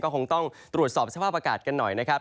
คงต้องตรวจสอบสภาพอากาศกันหน่อยนะครับ